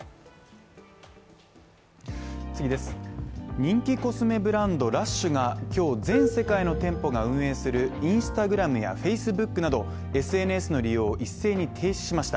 人気コスメブランドラッシュが今日全世界の店舗が運営するＩｎｓｔａｇｒａｍやＦａｃｅｂｏｏｋなどＳＮＳの利用を一斉に停止しました。